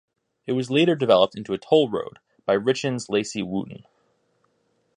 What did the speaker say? It was later developed into a toll road by Richens Lacey Wootton.